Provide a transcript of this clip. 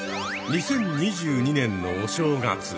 ２０２２年のお正月。